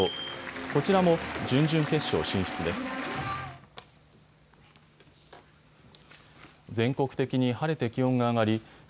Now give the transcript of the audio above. こちらも準々決勝進出です。